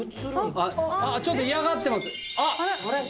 ちょっと嫌がってますあっ。